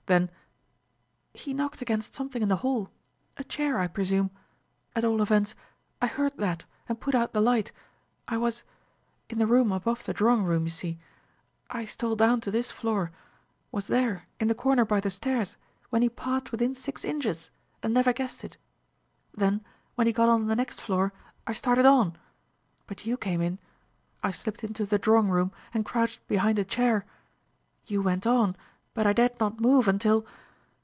Then: "He knocked against something in the hall a chair, I presume; at all events, I heard that and put out the light. I was ... in the room above the drawing room, you see. I stole down to this floor was there, in the corner by the stairs when he passed within six inches, and never guessed it. Then, when he got on the next floor, I started on; but you came in. I slipped into the drawing room and crouched behind a chair. You went on, but I dared not move until